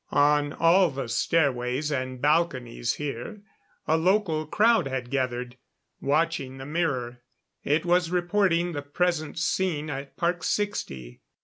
On all the stairways and balconies here a local crowd had gathered, watching the mirror. It was reporting the present scene at Park Sixty.